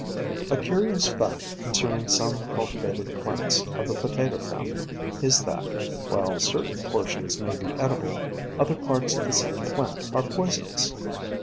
A curious fact concerning some cultivated plants of the Potato family is that, while certain portions may be edible, other parts of the same plant are poisonous.